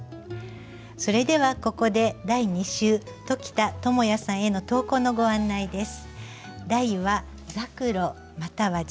それではここで第２週鴇田智哉さんへの投稿のご案内です。